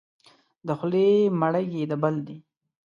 د خولې مړی یې د بل دی.